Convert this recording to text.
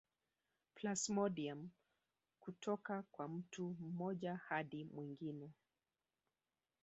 Plasmodiam kutoka kwa mtu mmoja hadi mwingine